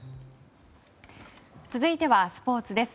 続いてはスポーツです。